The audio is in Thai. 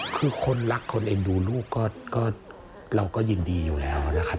คือคนรักคนเอ็นดูลูกก็เราก็ยินดีอยู่แล้วนะครับ